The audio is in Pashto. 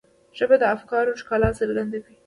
ژبه د افکارو ښکلا څرګندوي